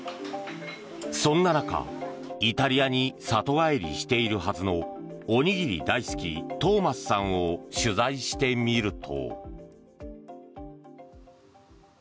そんな中イタリアに里帰りしているはずのおにぎり大好きトーマスさんを取材してみると。